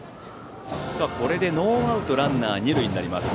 これでノーアウトランナー、二塁になります。